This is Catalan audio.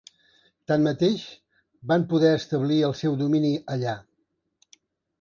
Tanmateix, van poder establir el seu domini allà.